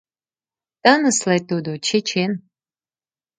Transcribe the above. Тынысле тудо, чечен.